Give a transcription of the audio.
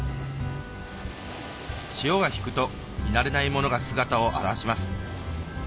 潮が引くと見慣れないものが姿を現します